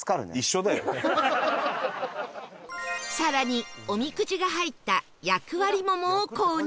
更におみくじが入った厄割桃を購入